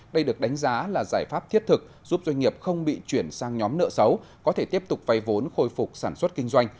đây được đánh giá là giải pháp thiết thực giúp doanh nghiệp không bị chuyển sang nhóm nợ xấu có thể tiếp tục vay vốn khôi phục sản xuất kinh doanh